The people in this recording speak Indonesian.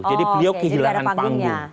jadi beliau kehilangan panggung